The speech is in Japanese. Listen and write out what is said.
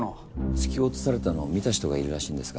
突き落とされたのを見た人がいるらしいんですが。